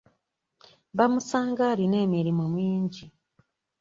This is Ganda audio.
Bamusanga alina emirimu mingi.